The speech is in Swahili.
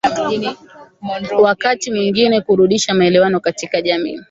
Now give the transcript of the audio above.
Wakati mwingine kurudisha maelewano katika jamii